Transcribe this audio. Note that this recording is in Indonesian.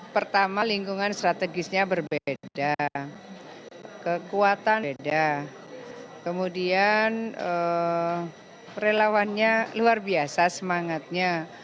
pertama lingkungan strategisnya berbeda kekuatan beda kemudian relawannya luar biasa semangatnya